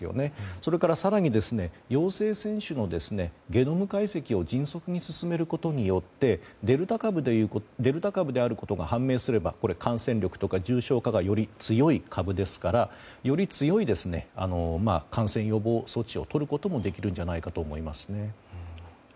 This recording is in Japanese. それから、更に陽性選手のゲノム解析を迅速に進めることによってデルタ株であることが判明すれば感染力とか、重症化率がより強い株ですからより強い感染予防措置をとることもできるんじゃないかと思いますね。